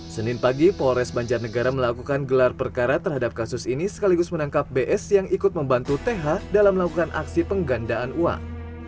senin pagi polres banjarnegara melakukan gelar perkara terhadap kasus ini sekaligus menangkap bs yang ikut membantu th dalam melakukan aksi penggandaan uang